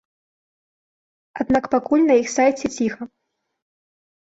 Аднак пакуль на іх сайце ціха.